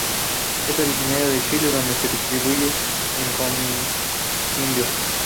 Es originaria de Chile donde se distribuye en Coquimbo.